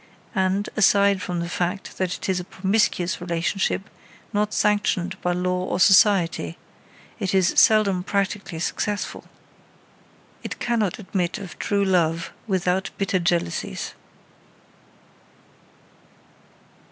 And, aside from the fact that it is a promiscuous relationship not sanctioned by law or society, it is seldom practically successful. It cannot admit of true love without bitter jealousies.